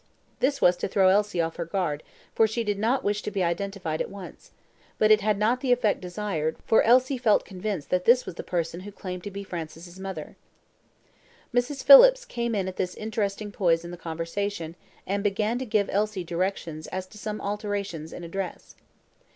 This was to throw Elsie off her guard, for she did not wish to be identified at once; but it had not the effect desired, for Elsie felt convinced that this was the person who claimed to be Francis's mother. Mrs. Phillips came in at this interesting poise in the conversation, and began to give Elsie directions as to some alterations in a dress.